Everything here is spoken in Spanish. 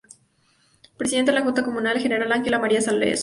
Presidente de la Junta Comunal: General Ángel María Salcedo.